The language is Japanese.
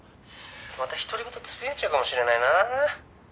「また独り言つぶやいちゃうかもしれないな」